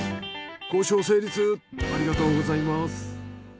交渉成立ありがとうございます。